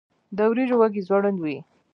د وریجو وږی ځوړند وي.